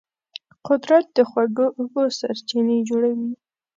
قدرت د خوږو اوبو سرچینې جوړوي.